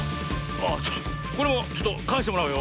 あっこれもちょっとかえしてもらうよ。